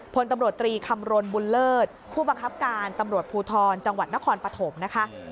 พลตำรวจตรีคำรณบุญเลิศผู้บังคับการตำรวจภูทรจังหวัดนครปฐมนะคะ